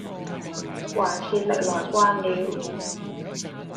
還是歷來慣了，